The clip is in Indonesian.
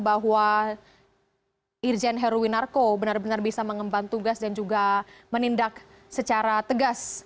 bahwa irjen heruwinarko benar benar bisa mengemban tugas dan juga menindak secara tegas